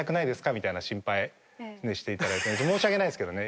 みたいな心配していただいて申し訳ないですけどね。